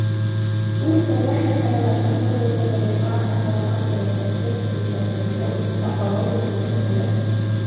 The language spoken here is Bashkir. Ул тормош шарттарын яҡшыртыу буйынса тормошҡа ашырылған сәйәсәттең һөҙөмтәлелеген баһалау мөмкинлеген бирә.